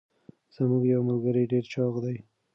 زمونږ یوه ملګري ډير چاغ دي.